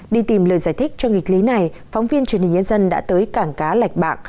đi tìm lời giải thích cho nghịch lý này phóng viên truyền hình nhân dân đã tới cảng cá lạch bạng